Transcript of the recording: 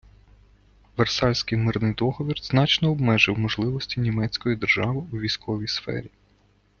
Версальський мирний договір значно обмежив можливості Німецької держави у військовій сфері.